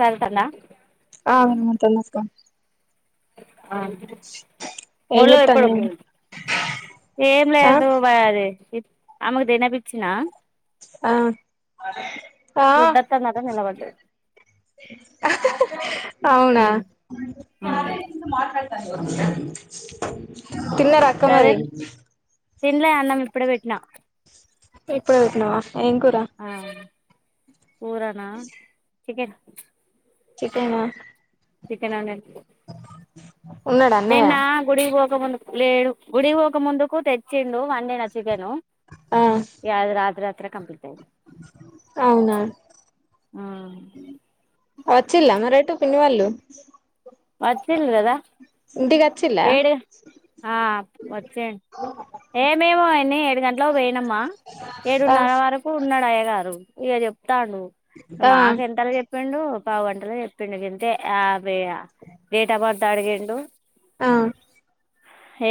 సరితందా ఆ ఉంటనక్క ఆ ఏం [unintelligible] ఎప్పుడు చేత్తన్నావ్ ఏం ఆ లేదు మరి ఆమెకు తినపించిన ఆ గుడ్డొత్తందట నిలబడ్డది ఆ అవునా తిన్నరాక్క మరి తిినలే అన్నాం ఇప్పుడే పెట్టినా ఇపుడే పెటినవ ఏం కూరా కూరనా చికెన్ చికెన్ ఆ చికెనా [unintelligible] ఉన్నాడా అన్నయ్య నిన్న గుడికి పోక ముందుకు లేడు గుడి కి పోక ముందుకు తెచ్చి వండినా చికెను ఆ ఇగ అది రాత్రి రాత్రికే కంప్లీట్ అయింది అవునా ఆ వచ్చిలా మరటు పిన్నీ వాల్లు వచ్చిల్లు కదా వచ్చిల్లా ఏడు ఆ వచ్చే ఏమేమోని ఏడు గంటలో పోయినమ ఆ ఏడున్నర వరకు ఉన్నాడు అయ్యగారు ఇక చెప్ చెప్స్తా ను ఆ మాకు ఎంతలా చెప్పిండు పావు గంటలు చెప్పిండు ఎంతే డేట్ ఆఫ్ బర్త్ అడిగండు ఆ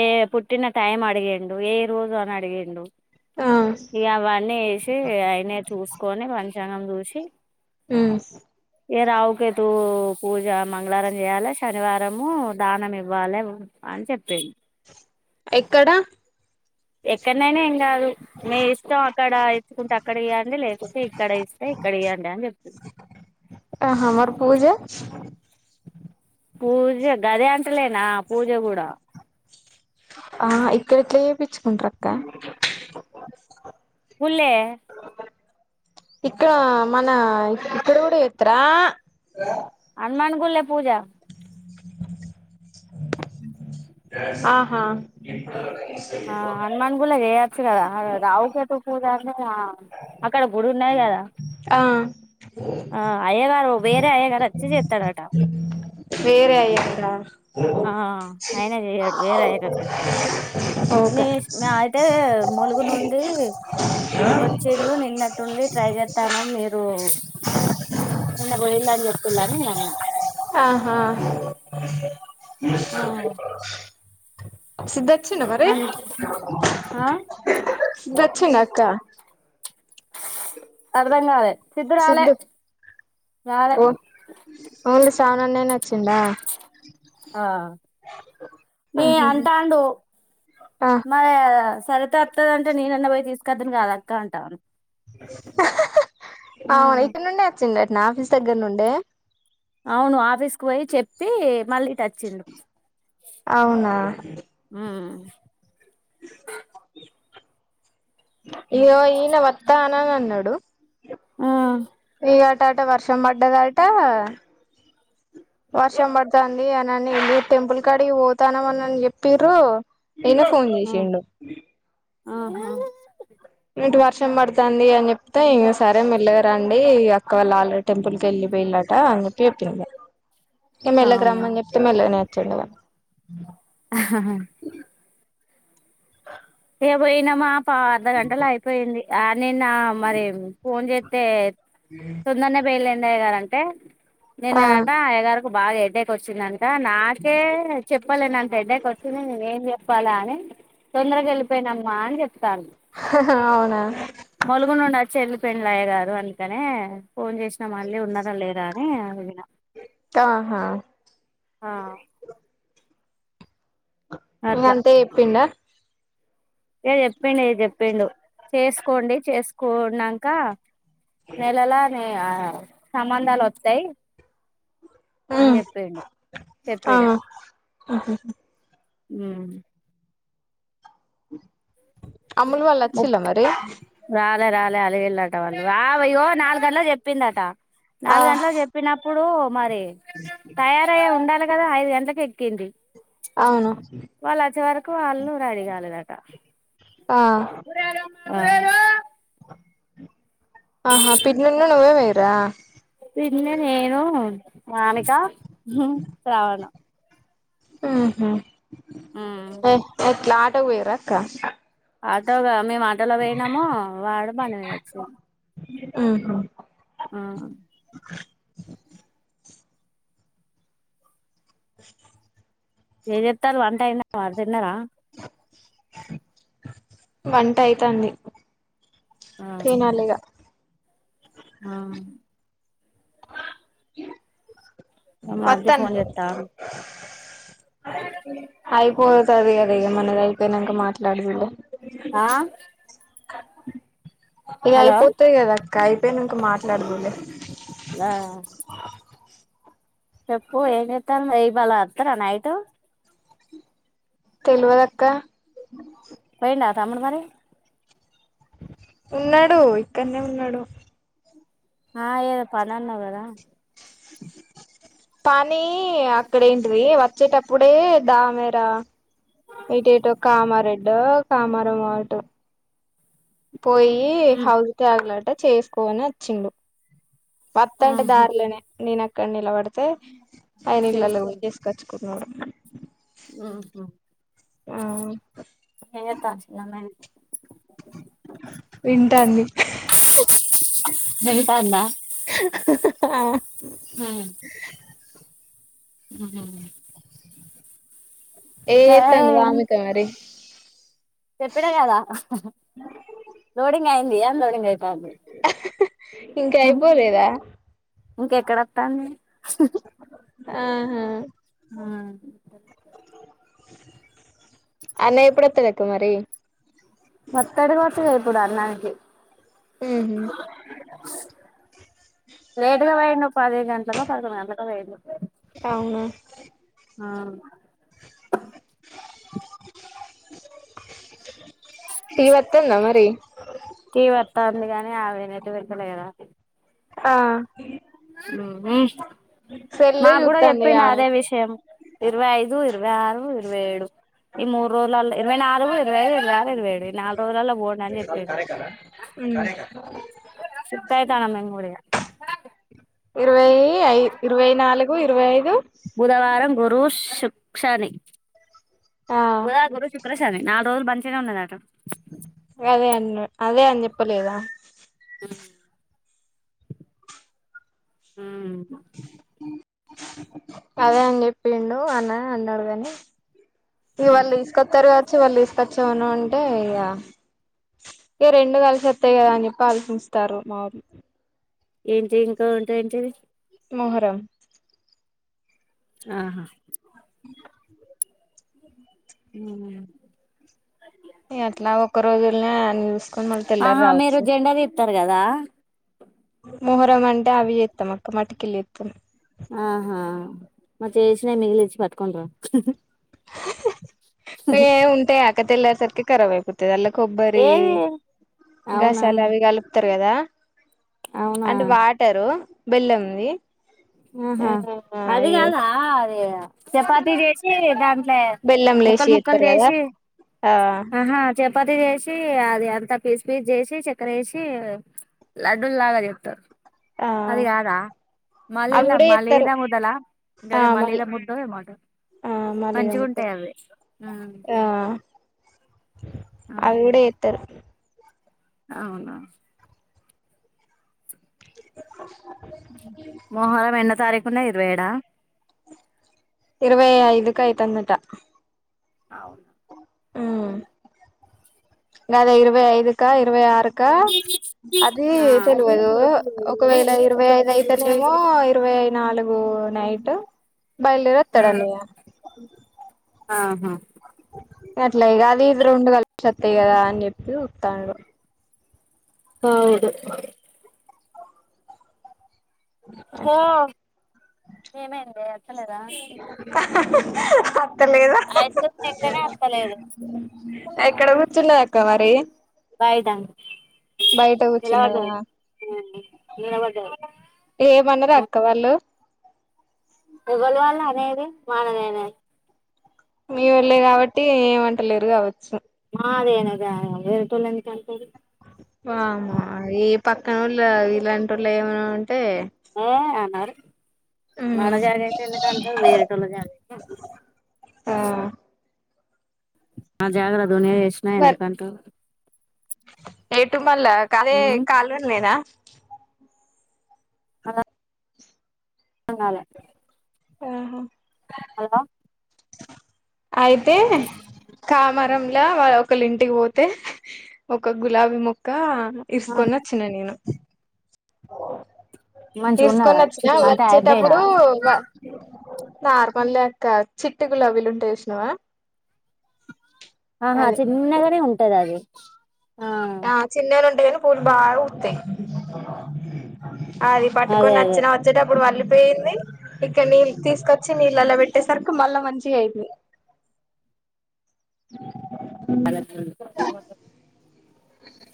ఏ పుట్టిన టైం అడిగిండు ఏ రోజు అని అడిగిండు ఆ ఇక అవన్నీ వేసి ఆయనే చూసుకొని పంచాంగం చూసి ఉమ్ ఎర అవుక తూ పూజా మంగళార ఈయాల శనివారము దానం ఇవ్వాలి అని చెప్పింది ఎక్కడ ఎక్కడనైనా కాదు మీ ఇష్టం అక్కడ ఇచ్చుకుంటే అక్కడ ఇవ్వండి లేకుంటే ఇక్కడ ఇస్తే ఇక్కడ ఇవ్వండి అని చెప్తుంది ఆహ మర్ పూజా పూజ గదే అంటలేనా పూజ కూడా ఆ ఇక్కడ ఎట్లా చేయిచ్చుకుంటారు అక్క ఉల్లే ఇక్కడ మన ఇక్కడ కూడా ఎస్తరా హనుమాన్ గుళ్ల పూజ ఆహా ఆ హనుమాన్ గుళ్ల చేయొచ్చు కదా రావుకట పూజ అనే అక్కడ గుడి ఉన్నాయి కదా ఆ ఆ అయ్యగారు వేరే అయ్యగారు వచ్చి చేస్తాడట వేరే అయ్యగార ఆ అయినే చెయడు వేరే ఆయన చేస్తాడు ఓకే న అయితే ములుగు నుండి వచ్చిళు నిన్నట్ నుండి ట్రై చేస్తానం మీరు నిన్న పోయిళ్ళు అని చెప్తుండు అని నేనన్నా ఆహా అన్నా సిద్ధొచిండా మరి అన్ ఆ దక్షిణక్క అర్ధంగాలే సిద్ధు [unintelligible] ఓ ఓన్లీ సెవెన్ అండేన్ వచ్చింద ఆ ఆహా అంటాండు ఆ మరి సరతే వతదంటే నేనున్న పోయి తీసుకొద్దాను కాదక్క అంటా అవును ఉమ్ ఇక్కడ నుండే వచ్చిండ అట్న ఆఫీస్ దగ్గర నుండే అవును ఆఫీస్ కు పోయి చెప్పి మళ్ళీ ఇట వచ్చిండు అవునా ఉమ్ ఇయ్యో ఈయన వత్త అనేమో అన్నడు ఆ [unintelligible] వర్షం పడ్డదట వర్షం పడుతుంది అనని వెళ్ టెంపుల్ కాడికి పోతానమనిని చెప్పిరు [unintelligible] ఫోన్ చేసిండు ఆహ ఇటు వర్షం పడుతుంది అని చెప్తే ఇంగ సరే మెల్లగ రండి అక్క వాళ్ళ ఆల్రెడీ టెంపుల్ వెళ్ళిపోయిలట అని చెప్పి చెప్పింది మెలగ రమ్మని అవునా చెప్తే మెల [unintelligible] ఆా [inaudible] ఏ పోయినామా పా అర్ధగంటల అయిపోయింది ఆ నిన్న మరి ఫోన్ చేస్తే తొందరనే పేయిలేండి అయ్యగారు అంటే ఆ నిన్ననంట అయ్యగారుకి బాగా ఏ అడేక వచ్చిందంట నాకే చెప్పలేనంత హెడ్క్ వచ్చింది నేనే ఏం చెప్పాలా అని తొందరగా వెళ్ళిపోయినమ్మా అని చెప్ప అవునా మల్గున [unintelligible] చెల్లి పెంలయ్య గారు అందుకనే ఫోన్ చేసినా మళ్ళీ ఉన్నారా లేదా అని [unintelligible] ఆహా ఆ ఇంకా అంతే చెప్పిండ ఇ చెప్పిండి ఇ చెప్పిండు చేసుకోండి చేసుకున్నాక నెలల నీ ఆ సంబంధాలు వస్తాయి ఉమ్ అని చె ఆ చెప్పేండి ఉ అమ్ముల్ వాల్ వచ్చిల ముప్ మరి [unintelligible] రాలే అలిగ వెళ్ళట వాళ్ళు అయ్యో నాలుగు గంటలకు చెప్పిందట ఆ నాలుగు గంటలకు చెప్పినప్పుడు మరి తయారయ్ ఉండాలి కదా ఐదు గంటలకి ఎక్కింది అవును వాళ్ళు వచ్చే వరకు వాళ్ళు రడీ కాలేదట ఆ ఆహా పిన్నను నువ్వే వైరా పన్న నేను [unintelligible] శ్రావణ ఎట్ల ఆటో కి పోయిర్ర అక్క ఆటోగా మేము ఆటోలో పోయినాము వాడు బండి మీద వచ్చిండు ఉ హు ఆ ఏ చెప్తారు వంట అయిందా మరి తిన్నరా వంట అయితంది తినాలిగా ఆ మరిది పత్తను ఫోన్ చేత్తాండు అయి పోతది కద ఇక మనది అయిపోయినక మాట్లాడి యూదం ఆ ఇగ హలో అయిపోతాయి కదా అక్క అయిపోయినంక మాట్లాడదులే లా చెప్పు ఏంజేతనా ఇబల అతర నైటు తెలవదక్క పోయిండ తమ్ముడు మరి ఉన్నాడు ఇక్కడనే ఉన్నాడు ఆ ఏదో పనన్నవు కదా పని అక్కడ ఏంటిది వచ్చేటప్పుడే దామేర ఇటు ఏటో కామారెడ్డు కామారమో అటు పోయి హౌస్ ట్యాగులట చేసుకోని వచ్చిండు పత్త అంటే ఆహా దారిలోనే నేనక్కడ నిలబడితే ఆయన ఇళ్ళలు ఏసుకచ్చుకుం అవును ఉహు ఏంజేతారు చిన్నమ్మ ఏది వింటంది నెగుతన్నా తా ఊ ఊ ఏతంది వామికారి చెప్పినా కదా లోడింగ్ అయింది అన్ లోడింగ్ అవుతుంది ఇంకా అయిపోలేదా ఇంకెక్కడతంది ఆహా ఆ అన్నయ్య ఎప్పుడతడక మరి మొత్తడికొరచ కదా ఇపుడు అన్ననికి ఉహు లేట్గా వేయండు పది గంటలకొ పదకొండు గంటలకు వేయండు అవునా ఆ టీవీ వత్తందా మరి టీవీ అతందిగానీ ఆమ లెద్ ఇటు పెడతలేర ఆ ఉహు సెల్లే మాకు కూడా చూత్తంది చెప్పిండి ఆమె అదే విషయం ఇరవై ఐదు ఇరవై ఆరు ఇరవై ఏడు ఈ మూడు రోజలల ఇరవై నాలుగు ఇరవై ఐదు ఇరవై ఆరు ఇరవై ఏడు ఈ నాలుగు రోజులల్ల పోండని చెప్పిండు సిక్ అయితన్నం ఈడ మెంకూడ ఇరవై అఐ ఇరవై నాలుగు ఇరవై ఐదు బుధవారం గురు శని ఆ బుధ గురు శుక్రశని నాలుగు రోజులు మంచినే ఉండదట అట అదే అన్న అదే అని చెప్పలేదా ఉమ్ అదే అని చెప్పిండు అన్న అన్నాడు కాని ఇ వాళ్ళు తీసుకొస్తారు కావచ్చు వాళ్ళు తీసుకొచ్చామను అంటే ఇగ ఇగ రెండు కలిసి వస్తాయి కదా అని చెప్పి ఆలోచస్తారు మా ఊరు ఏంటి ఇంకా ఉంటాదేటిది మొహరం ఆహా ఉమ్ అట్లా ఒక రోజులనే అన్నీ చూసుకొని మళ్ళీ తెల్లారీ రావచ్చు దా మొహరం అంటే అవి చెత్తాం అక్క మటుకిళ్ళ ఎత్తాం ఆహా మరి చేసినా మిగిలిచ్చి పట్టుకుండ్ర ఏ ఉంటే అక్క తెల్లారే సరికి కరాబైపోతాయి అల్లాక్ కొబ్బరి ఏది అవునా గసాలు అవి కలుపుతారు కదా అవునా అంటే వాటరు బెల్లంముంది ఆహా అదిగాదా అది చపాతి చేసి దాంట్లో బెల్లం లేసి ముక్కలు ముక్కలు చేస్తారు కదా జేసి ఆ పది చేసి అది అంత పీస్ పీస్ చేసి చక్కర వేసి లడ్ల్గ దెత్తారు ఆ అదిగాదా లేల్లే అవి కూడా అమ్మ చేస్తారు లేదంగా ఉండాలా ఆ గదే మళ్ళీ మలీద ముద్దమెమో అంటారు ఆ మళ్ళీ ఏదో మంచిగుంటాయి ముద్దలు అవి ఉమ్ ఆహా అవిగూడా ఎత్తరు అవునా మోహరం ఎన్నో తారీకున్నా ఇరవై ఏడా ఇరవై ఐదుకు అయితందటా అవును ఉమ్ గదా ఇరవై ఐదుకా ఇరవై ఆరుకా అది తెలివదు ఒకవేళ ఇరవై ఐదు అయితేనేమో ఇరవైనాలుగు నైటు బయలుదేరెత్తడండి ఆహా అట్లే గాదు ఇది రెండు కలిపితే వత్తయి కదా అని చెప్పి వత్తడడు అవును ఓ ఏమైంది ఎత్తలేదా అత్తలేదు క్రీమ్ తింటేనే అత్తలేదు ఎక్కడ కూర్చున్నది అక్క మరి బాయిటా బయట కూర్చున్నదా నిలబడ్డాది ఉమ్ నిలబడ్డాది ఏమన్నరక్క వాళ్ళు ఎవలు వాళ్ళ అనేది మానదనేది మీ వాళ్లే కాబట్టి ఏమంటలేరు కావచ్చు అదేనుగా ఏరెటోలు ఎందుకంటారు వాహ ఈ పక్కనోళ్ళ ఇలాంటోలను ఏమనా ఏ అనరు ఉమ్ మన జాగ అయితే ఎందుకంటారు వెరేటోల్ల జాగ అయితే అంటారు ఆ నా జాగ్రత్తోనే చేసినా ఎందుకంటే ఏటు మళ్ళా కాలే ఉమ్ కల్వెన్ లేదా అర్థం కాలే ఆహా హలో అయితే కామరం లో వాల్లు ఇంటికి పోతే ఒక గులాబీ మొక్క తీసుకొని వచ్చిన నేను మంచిగున్నదా తీసుకొని వచ్చినా అంటే హైబ్రిడా వచ్చేటప్పుడు నార్మలే అక్క చిట్టి గులాబీలుంటాయ్ చుసినావా ఆహా చిన్నగానే ఉంటది అది ఆ చిన్నగానే ఉంటది కానీ పూలు బాగా పుత్తయ్ అది అదే పట్టుకొని అదే అచ్చినా వచ్చేట అప్పుడు మళ్లిపోయింది ఇక నీళ్ళు తీసుకొచ్చి నీళ్ళలా పెట్టేసరికు మళ్ళా మంచిగా అయింది అ అన్నట్లు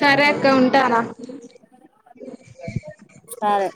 సరే అక్క ఉంటానా సరే